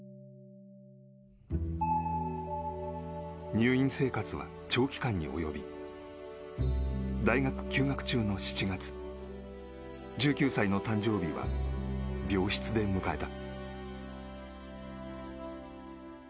入院生活は長期間に及び大学休学中の７月１９歳の誕生日は病室で迎えた。